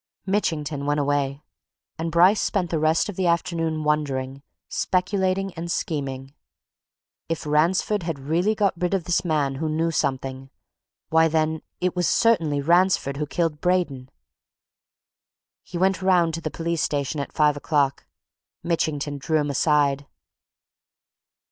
Mitchington went away, and Bryce spent the rest of the afternoon wondering, speculating and scheming. If Ransford had really got rid of this man who knew something why, then, it was certainly Ransford who killed Braden. He went round to the police station at five o'clock. Mitchington drew him aside.